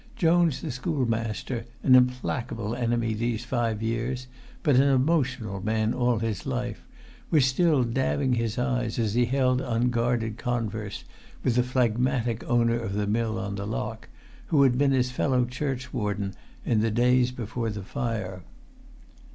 Jones the schoolmaster, an implacable enemy these five years, but an emotional man all his life, was still dabbing his eyes as he held unguarded converse with the phlegmatic owner of the mill on the lock, who had been his fellow churchwarden in the days before the fire.